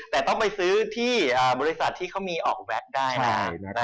แต่ต้องไปซื้อที่บริษัทที่เขามีออกแวะได้นะ